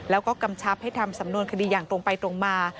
แล้วก็กำชับให้ทำสำนวนคดีอย่างตรงไปตรงมา